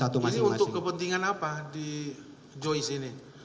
jadi untuk kepentingan apa di joyce ini